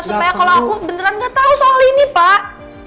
supaya kalau aku beneran gak tahu soal ini pak